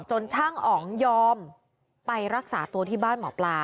ช่างอ๋องยอมไปรักษาตัวที่บ้านหมอปลา